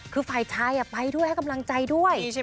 คือฝ่ายชายไปด้วยให้กำลังใจด้วย